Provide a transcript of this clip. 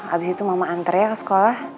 abis itu mama antar ya ke sekolah